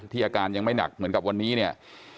อาการยังไม่หนักเหมือนกับวันนี้เนี่ย